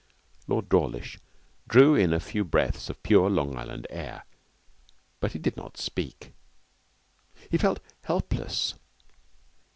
Lord Dawlish drew in a few breaths of pure Long Island air, but he did not speak. He felt helpless.